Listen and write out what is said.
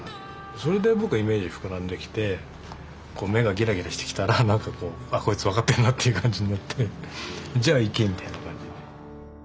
それで僕はイメージ膨らんできて目がギラギラしてきたらなんかこう「こいつ分かってんな」っていう感じになって「じゃあいけ」みたいな感じ。